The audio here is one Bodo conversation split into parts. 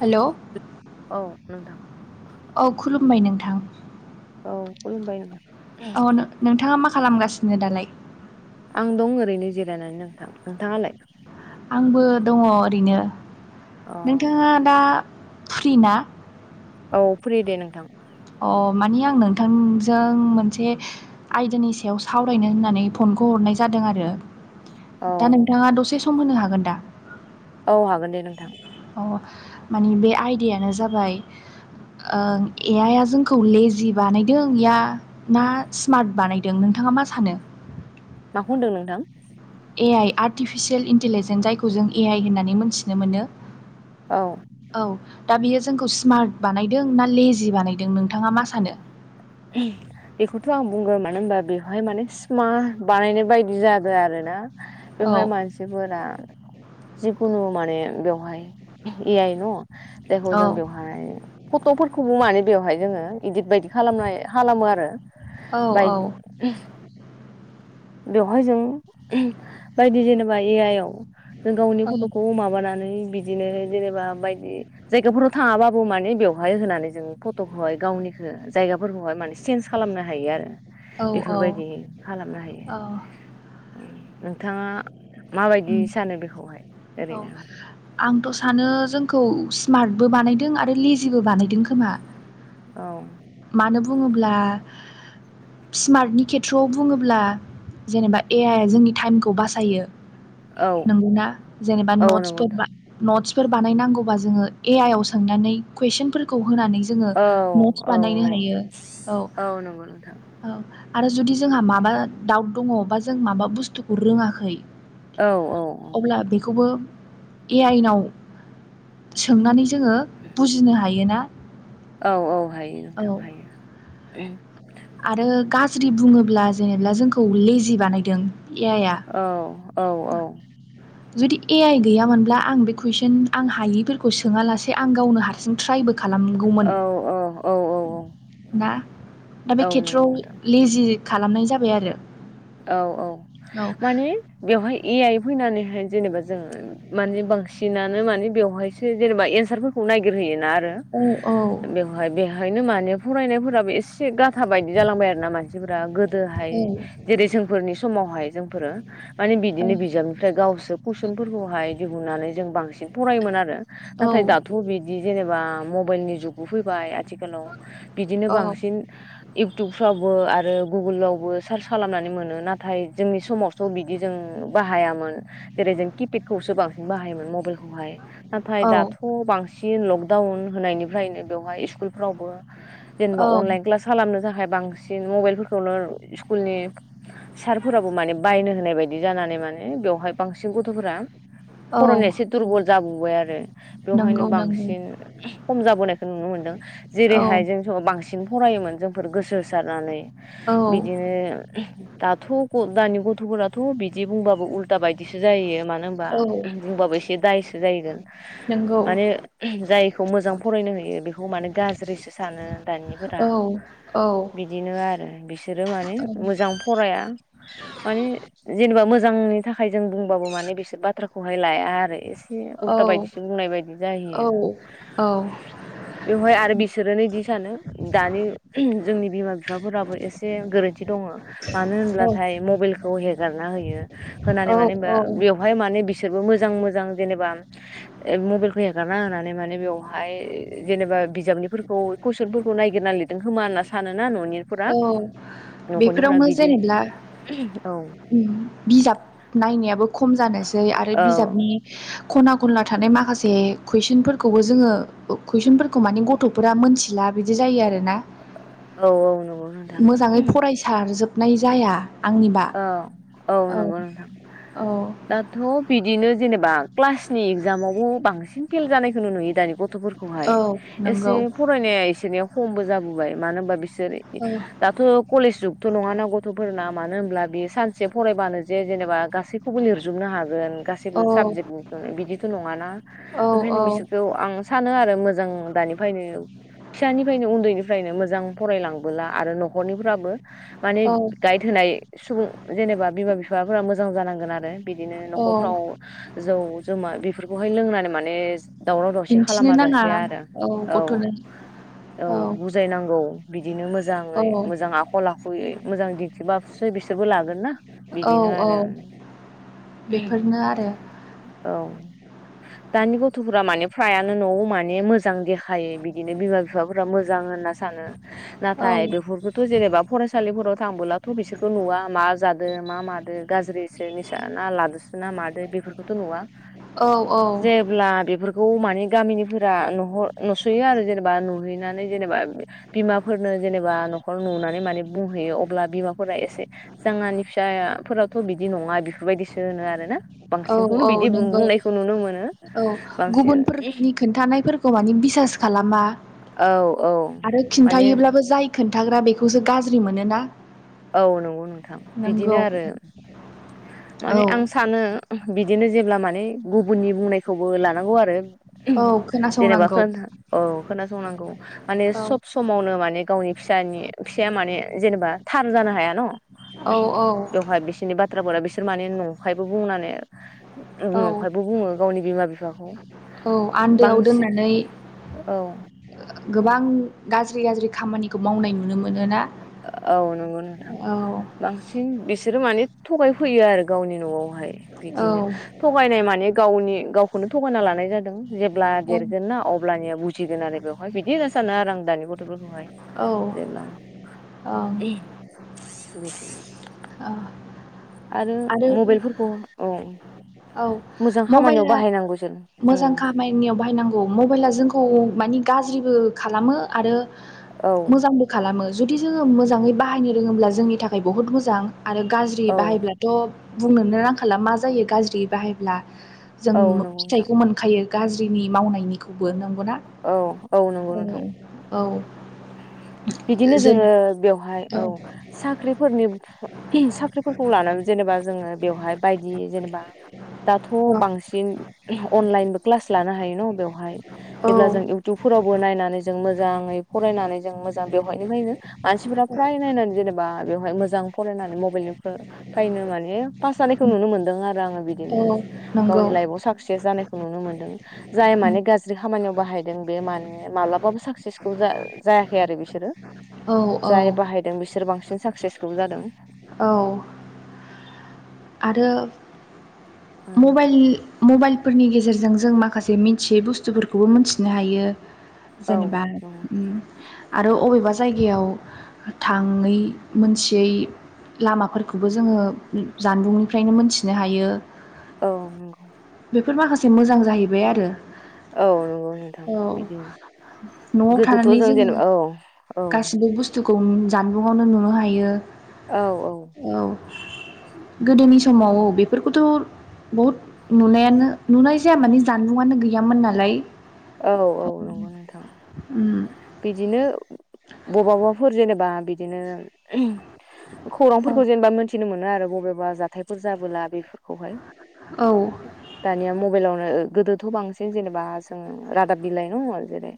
हेल' औ नोंथां। औ खुलुमबाय नोंथां औ खुलुमबाय नोंथां औ नो-नोंथाङा मा खालामगासिनो दालाय? आं दं ओरैनो जिरायनानै नोंथां नोंथाङालाय? आंबो दङ ओरैनो अ नोंथाङा दा फ्रि ना? औ फ्रि दे नोंथां अ मानि आं नोंथांजों मोनसे आयदानि सायाव सावरायनो होननानै फन खौ हरनाय जादों आरो औ दा नोंथाङा दसे सम होनो हागोन दा? औ हागोन दे नोंथां ओ मानि बे आयदायानो जाबाय ओं ए आइ आ जोंखौ लेजि बानायदों या ना स्मार्ट बानायदों नोंथाङा मा सानो माखौ होनदों नोंथां? ए आइ आर्टिफिसियेल इन्टलिजेन्स जायखौ जों ए आइ होननानै मोनथिनो मोनो औ औ दा बियो जोंखौ स्मार्ट बानायदों ना लेजि बानायदों नोंथाङा मा सानो [unintelligible] बेखौथ' आं बुंगोन मानो होनबा बेवहाय माने स्मा बानायनाय बायदि जादों आरो ना औ बेवहाय मानसिफोरा जिखुनु माने बेवहाय ए आइ न जायखौ औ जों बेवहाय फट'फोरखौबो माने बेवहाय जोङो इदित बायदि खालामनाय खालामो आरो औ औ बायदि बेवहाय जों बायदि जेनेबा ए आइ आव जों गावनि औ फट'खौ माबानानै बिदिनो जेनेबा बायदि जायगाफोराव थाङाबो माने बेवहाय होनानै जों फट'खौहाय गावनिखो जायगा फोरबोहाय माने सेन्स खालामनो हायो आरो औ औ बेफोरबायदि खालामनो हायो औ उम नोंथाङा माबायदि उम सानो बेखौहाय औ ओरैनो आंथ' सानो जोंखौ स्मार्टबो बानायदों आरो लेजिबो बानायदों खोमा औ मानो बुङोब्ला स्मार्टनि खेथ्र'आव बुङोब्ला जेनेबा ए आइ जोंनि टाइमखौ बासायो औ नंगौना जेनेबा औ नंगौ नोंथां नटसफोरबा नटस फोर बानायनांगौबा जोङो ए आइ आव सोंनानै कुइसनफोरखौ होनानै जोङो औ औ नटस बानायनो औ हायो औ नंगौ नोंथां औ आरो जुदि जोंहा माबा दाउट दङ' बा जों माबा बुस्थुखौ रोङाखै औ अब्ला बेखौबो ए आइनाव सोंनानै जोङो बुजिनो हायोना औ औ हायो औ नोंथां हायो आरो गाज्रि बुङोब्ला जेनोब्ला जोंखौ लेजि बानायदों ए आइ आ औ औ औ जुदि ए आइ गैयामोनब्ला आं बे कुइसन आं हायिफोरखौ सोङा लासे आं गावनो हारसिं ट्रायबो औ खालामगौमोन औ औ ना दा बे औ नंगौ खेथ्रआव नोंथां लेजि खालामनाय जाबाय आरो औ औ औ माने बेवहाय ए आइ फैनानैहाय जेनेबा जों माने बांसिनानो माने बेवहायसो जेनेबा एनसारफोरखौ नायगिर हैयोना आरो औ बेवहाय बेहायनो माने फरायनाय फोराबो एसे गाब थाबायदि जालांबाय आरो ना मानसिफोरा गोदोहाय औ जेरै जोंफोरनि समावहाय जोंफोरो माने बिदिनो बिजाबनिफ्राय गावसो कुइसनफोरखौहाय दिहुननानै जों बांसिन फरायोमोन आरो औ नाथाय दाथ' बिदि जेनेबा मब मबाइलनि जुगबो फैबाय आथिखालाव बिदिनो बांसिन इउटुबफ्राव बो आरो गुगोलावबो सार्च खालामनानै मोनो नाथाय जोंनि समावथ' बिदि जों बाहायामोन जेरै जों किपेडखौसो बांसिन बाहायोमोन मबाइलखौहाय नाथाय औ दाथ' बांसिन लकडाउन होनायनिफ्रायनो बेवहाय स्कुलफ्रावबो औ जेनेबा अनलाइन क्लास खालामनो थाखाय बांसिन मबाइलफोरखौनो स्कुलनि सारफोराबो माने बायनो होनाय बायदि जानानै माने बेवहाय बांसिन गथ'फोरा औ फराय'नाया एसे दुरबल जाबोबाय आरो बेवहायनो नंगौ नंगौ बांसिन खम जाबोनायखाय नुनो मोनदों औ जेरैहाय जों बांसिन फरायोमोन जोंफोर गोसो होसारनानै बि औ बिदिनो दाथ' दानि गथ'फोराथ' थ' बिदि बुंबाबो उल्था बायदिसो जायो मानो होनबा औ बुंबाबो एसे दायसो जाहैगोन नंगौ माने जायखौ मोजां फरायनो होयो बेखौ माने गाज्रिसो सानो दानिफोरा औ औ बिदिनो आरो बिस बिसोरो माने औ मोजां फराया मानि जेनेबा मोजांनि नि थाखाय जों बुंबाबो माने बिसोर बाथ्राखौहाय लाया आरो एसे उल्था बायदिसो बुंनाय बायदि औ जाहैयो औ बेवहाय आरो बिसोरनोदि सानो दानि जोंनि बिमा बिफाफोराबो एसे गोरोनथि दङ'मानो होनब्लाथाय मबाइखौ हेगारना होयो होननानै औ मानो होनबा औ बेवहाय माने बिसोरबो मोजां मोजां जेनेबा मबाइलखौ हो रना होनानै माने बेवहाय जेनेबा बिजाबनिफोरखौ कुइसनफोरखौ नायगिरना लिरदों खोमा होनना सा सानोना न'निफोरा औ न'खरनिफोरा बेफोरावनो बिदि जेनेब्ला औ बिजाब नायनायाबो खम खम जानोसै आरो औ बिजाबनि खना खनला थानाय माखासे कुइसनफोरखौबो जोङो कुइसनफोरखौ माने गथ'फोरा मोनथिला बिदि जायो आर ना औ औ नंगौ नोंथां मोजाङै फरायसारजोबनाय जाया आंनिबा औ औ नंगौ नोंथां औ दाथ' बिदिनो जेनेबा क्लासनि इगजामावबो बांसिन फेल जानायखौ नो नुयो दानि गथ'फोरखौहाय औ एसे नंगौ फरायनाय रनिया खमबो जाबोबाय मानो होनबा बिसोर औ दाथ' कलेज जुगथ' नङा ना गथ'फोरना मानो होन हब्ला बे सानसे फरायबानो जे जेनेबा गासैखौबो लिरजोबनो हागोन गासैबो औ साबजेक्टनि बिदिथ' नङाना औ ओंखायनो बिसोरखौ आं सानो आरो मोजां दानिफ्रायनो फिसानिफ्रायनो उन्दैनिफ्रायनो मोजां फरायलांबोला आरो न'खरनिफ्राबो माने औ गाइद गाइड होनाय सुबुं जेनेबा बिमा बिफाफोरा मोजां जानांगोन आरो बिदिनो औ न'खरफ्राव जौ जमा बेफोरखौहाय लोंनानै माने दावराव दावसि दिन्थिनो खालामा नाङा जासे आरो औ गथ'नो औ बुजायनांगौ बिदिनो औ मोजाङै मोजां आखल आखुयै मोजां दिन्थिबा। बिसोरबो लागोन ना औ बिदिनो औ आरो। बेफोरनो आरो औ दानि गथ'फोरा माने फ्रायानो न'आव माने मोजां दे। हायो बिदिनो बिमा बिफाफोरा मोजां होनना सानो औ नाथाय बेफोरखौथ' जेनेबा फरायसालि। फोराव थांबोला थ' बिसोरखौ नुवा मा जादों मा मादों गाज्रिसो निसा ना लादोसो ना मादो बेफोरखौथ' नु आं औ औ जेब्ला बे बेफोरखौ माने गामिनिफोरा नुसोयो आरो जेनेबा नुहैनानै जेनेबा बिमाफोर। नो जेनेबा नुहर नुनानै माने बुंहैयो अब्ला बिमा फोरा एसे जोंहानि फिसाफोरावथ' बिदि नङा बेफोरबायदिसो होनो आरो ना। औ बांसिनखौनो औ बिदि नंगौ बुंनायखौ नुनो मोनो। औ बांसिन गुबुनफोरनि खोन्थानायफोरखौ माने बिसास खालामा। औ। औ आरो माने खिन्थायोबब्लाबो जाय खिन्थाग्रा बेखौसो गाज्रि मोनोना। औ नंगौ नोंथां बिदिनो नंगौ आरो औ माने आं सानो बि दिनो जेब्ला माने गुबुननि बुंनायखौबो लानांगौ आरो। औ जेनेबा खोनासंनांगौ औ खोनासंनांगौ माने औ सब समावनो माने गावनि फिसानि फि माने जेनेबा थार जानो हाया न'। औ औ। बेवहाय बिसोरनि बाथ्राफोरा बिसोर माने नंखायबो बुंनानै औ नंखायबो। बुङो गावनि बिमा बिफाखौ औ आन्दोआव बांसिन दोननानै औ। औ गोबां गाज्रि गाज्रि खामानिखौ मावनाय नुनो मोनो। औ नंगौ नोंथां। औ बांसिन बिसोरो माने थगायफैयो आरो गावनि न'आवहाय। औ बिदिनो थगायनाय माने गावनि। गावखौनो थगायना लानाय जादों ।जेब्ला औ देरगोन ना अब्लानिया बुजिगोन आरो बेवहाय बिदिनो सानो आरो आं दा। दानि गथ'फोरखौहाय ओं जेब्ला ओ आरो मबाइलफोरखौ औ औ मोजां खामानियाव मबाइला बाहायनांगौ जों मोजां उम खामानियाव बाहायनांगौ मबाइला जोंखौ मानि गाज्रिबो खालामो आरो औ मोजांबो खालामो। जुदि जोङो मोजाङै बाहायनो रोङोब्ला जोंनि थाखाय बहुत मोजां आरो गाज्रि औ बाहायब्लाथ'। बुंनोनो रांखाला मा जायो गाज्रि बाहायब्ला जों औ नंगौ नोंथां फिथाइखौ मोनखायो। गाज्रिनि मावनायनिखौबो नांगौ ना औ नंगौ औ नोंथां औ। बिदिनो जेन जोङो बेवहाय औ साख्रिफोरनि साख्रिफोरखौ लानानै। जेनेबा जोङो बेवहाय बायदि जेनेबा दाथ' औ बांसिन। अनलाइन बो क्लास लानो हायो न' बेयावहाय औ जेब्ला जों इउटुबफोरावबो नायनानै जों मोजां। मोजाङै फरायनानै जों मोजां बेवहायनो लायनो मानसिफोरा फ्राय नायनानै जेनेबा बेवहाय मोजां फरायनानै मबाइलनिफ्रायनो। माने फास जानायखौ नुनो मोनदों आरो आं औ बिदिनो नंगौ गावनि लाइफ खौ साखसेज जानायखौ नुनो मोनदों जाय माने गाज्रि खामानियाव बाहायदों बे माने मालाबाबो साखसे जायाखै आरो बिसोर। औ औ जाय बाहायदों बिसोर बांसिन साक्सेसफुल जादों। औ आरो औ नंगौ मबाइलनि मबाइलफोरनि गेजेरजों जों माखासे मिथियै बुस्थुफोरखौबो मिथिनो हायो। जेनेबा आरो अबेबा जायगायाव थाङै मोनथियै। लामाफोरखौबो जोङो जानबुंनिफ्रायनो मोनथिनो हायो। औ नंगौ। बेफोर माखासे मोजां जाहैबाय आरो। औ नंगौ नोंथां औ बिदिनो। न'आव गोदोथ' थानानै जों जोङो जेनेबा औ औ गासिबो बुस्थुखौ जानबुंआवनो नुनो हायो। औ औ गोदोनि समाव बेफोरखौथ' बहुद नुनायानो नुनाय जाया माने जानबुंआनो गैयामोन नालाय। औ औ नंगौ नोंथां। बिदिनो बबेबाफोर जेनेबा बिदिनो उम खौरांफोरखौ जेनेबा मोनथि नो मोनो आरो बबेबा जाथायफोर जाबोला बेफोर खौहाय औ दानिया मबाइलावनो गोदोथ' बांसिन जेनेबा जोङो रादाब बिलाइ दङ जेरै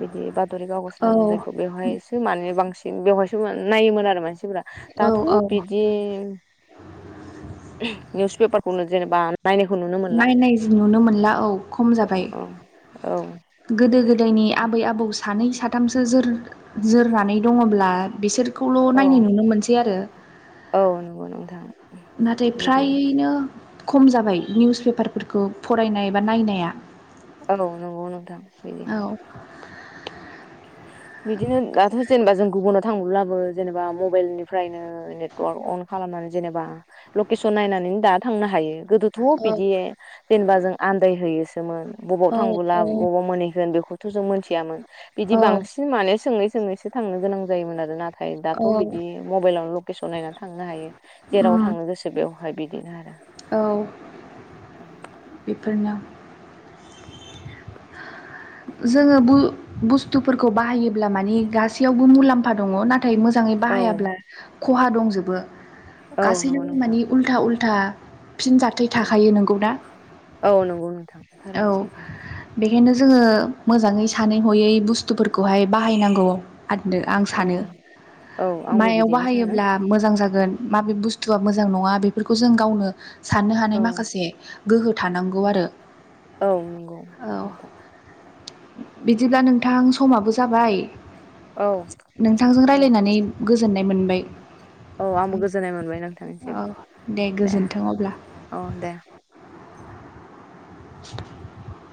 बिदि बाथरि कगज औ होनना बुङो जायखौहाय बेवहायसो माने बांसिन बेब नायोमोन आरो मानसि फ्रा औ दाथ' औ बिदि निउस पेपारखौनो जेनेबा नायनायखौ नुनो मोनला नायनाय नुनो मोनला औ खम औ जाबाय औ। गोदो गोदायनि आबै आबौ सानै साथामसो जोर जोरनानै दङब्ला बिसोरखौल' औ नायनाय नुनो मोनसै आरो औ नंगौ नोंथां नाथाय बिदिनो फ्रायैनो खम जाबाय निउस पेपारफोरखौ फरायनाय बा नायनाया। औ नांगौ नोंथां औ बिदिनो बिदिनो दाथ' जेनेबा जों गुबुनाव थांब्लाबो जेनेबा मबाइल निफ्रायनो नेटवर्क अन खालाम खालामनानै जेनेबा लकेसन नायनानै दा थांनो हायो। गोदोथ' औ बिदि जेनेबा जों आन्दायहैयोसोमोन बबाव औ थांबोला बबाव मोनहैगोन बेखौथ' जों मोनथियामोन बिदि औ बांसिन माने सोङै सोङैसो थांनो गोनां जायोमोन आरो नाथाय औ दाथ' बिदि मबाइलावनो लकेसन नायनानै थांनो हायो जेराव उम थांनो गोसो बेवहाय बिदिनो आरो औ बेफोरनो जोङो बु-बुस्थुफोरखौ बाहायोब्ला माने गासैयावबो मुलाम्फा दङ नाथ मोजाङै औ बाहायाब्ला खहा दंजोबो औ नंगौ गासैबो नोंथां मानि उलथा उ लथा फिन जाथाय औ थाखायो नोंगौ ना। औ [unintelligible] बेखायनो जोङो मोजाङै सानै हयै बुस्थुफोरखौहाय बाहायनांगौ। आरोना आं सानो औ औ आंबो माइआव बिदिनो सानो बाहायोब्ला मोजां जागोन माबे बुस्थुआ मोजां नङा बेफोरखौ जों गावनो साननो औ हानाय माखासे गोहो थानांगौ आरो औ नंगौ औ नोंथां। बिदिब्ला नोंथां समाबो जाबाय औ नोंथांजों दे रायलायनानै गोजोननाय मोनबाय। औ आंबो गोजोननाय मोनबाय नोंथांनिसिम औ दे गोजोन्थों अब्ला औ दे [unintelligible]